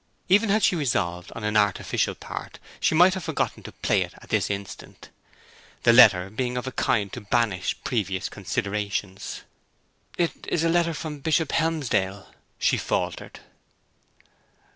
Even had she resolved on an artificial part she might have forgotten to play it at this instant, the letter being of a kind to banish previous considerations. 'It is a letter from Bishop Helmsdale,' she faltered.